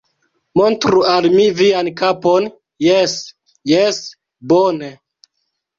Montru al mi vian kapon. Jes, jes, bone